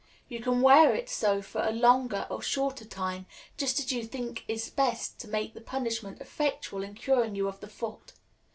You can wear it so for a longer or shorter time, just as you think is best to make the punishment effectual in curing you of the fault.